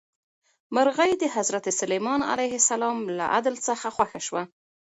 مرغۍ د حضرت سلیمان علیه السلام له عدل څخه خوښه شوه.